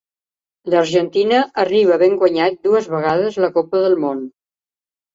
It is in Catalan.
L'Argentina arriba havent guanyat dues vegades la Copa del Món.